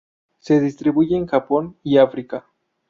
Se distribuye en Japón y África.